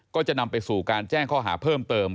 ก็จะนำไปสู่การแจ้งข้อหาเพิ่มเติม